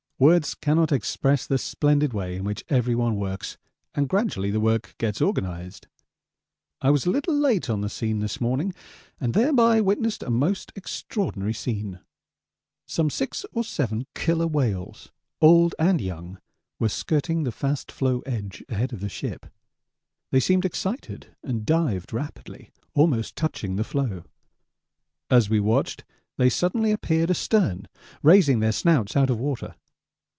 Words cannot express the splendid way in which everyone works and gradually the work gets organised. I was a little late on the scene this morning, and thereby witnessed a most extraordinary scene. Some 6 or 7 killer whales, old and young, were skirting the fast floe edge ahead of the ship; they seemed excited and dived rapidly, almost touching the floe. As we watched, they suddenly appeared astern, raising their snouts out of water.